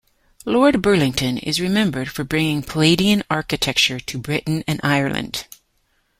Lord Burlington is remembered for bringing Palladian architecture to Britain and Ireland.